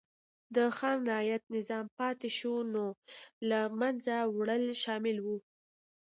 د خان رعیت نظام پاتې شونو له منځه وړل شامل و.